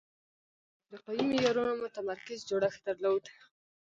دغې سیمې پر افریقایي معیارونو متمرکز جوړښت درلود.